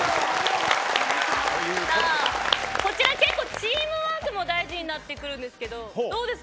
こちら結構チームワークも大事になってきますがどうですか